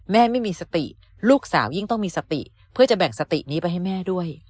ไม่มีสติลูกสาวยิ่งต้องมีสติเพื่อจะแบ่งสตินี้ไปให้แม่ด้วย